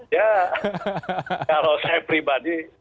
ya kalau saya pribadi